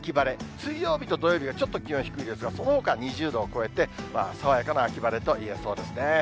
水曜日と土曜日がちょっと気温低いですが、そのほか２０度を超えて、爽やかな秋晴れといえそうですね。